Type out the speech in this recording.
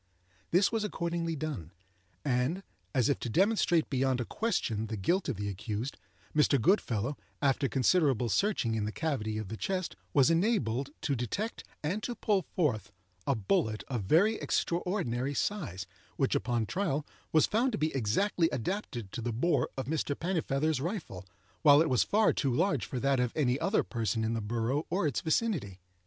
This was accordingly done; and, as if to demonstrate beyond a question the guilt of the accused, Mr. Goodfellow, after considerable searching in the cavity of the chest was enabled to detect and to pull forth a bullet of very extraordinary size, which, upon trial, was found to be exactly adapted to the bore of Mr. Pennifeather's rifle, while it was far too large for that of any other person in the borough or its vicinity.